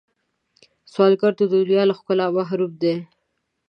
سوالګر د دنیا له ښکلا محروم دی